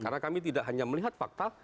karena kami tidak hanya melihat fakta